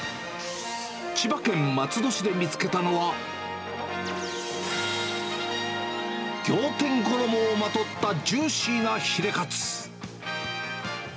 千葉県松戸市で見つけたのは、仰天衣をまとったジューシーなヒレカツ。